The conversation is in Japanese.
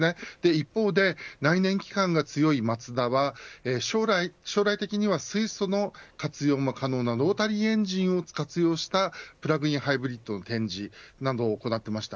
一方で内燃機関が強いマツダは将来的には水素の活用も可能なロータリーエンジンを活用したプラグインハイブリッドの展示などを行っていました。